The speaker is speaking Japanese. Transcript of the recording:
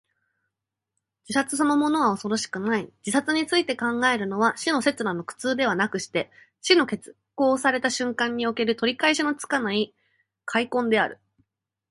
自殺そのものは恐ろしくない。自殺について考えるのは、死の刹那の苦痛ではなくして、死の決行された瞬時における、取り返しのつかない悔恨である。